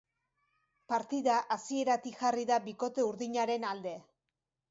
Partida hasieratik jarri da bikote urdinaren alde.